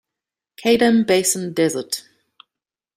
Qaidam Basin Desert.